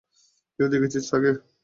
কেউ দেখেছিস তাকে?